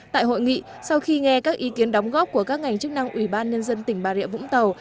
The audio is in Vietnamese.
tại hội nghị sau khi nghe các ý kiến đóng góp của các ngành chức năng ủy ban nhân dân tỉnh bà rịa vũng tàu